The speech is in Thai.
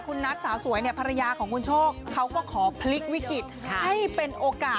คุณนัทสาวสวยเนี่ยภรรยาของคุณโชคเขาก็ขอพลิกวิกฤตให้เป็นโอกาส